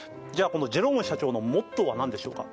このジェローム社長のモットーは何でしょうか？